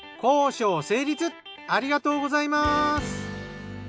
ありがとうございます。